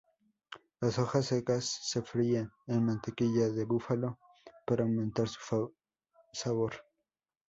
Las hojas secas se fríen en mantequilla de búfalo para aumentar su sabor.